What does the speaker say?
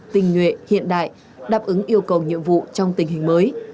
tình nguyện hiện đại đáp ứng yêu cầu nhiệm vụ trong tình hình mới